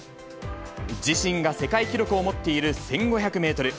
自身が世界記録を持っている１５００メートル。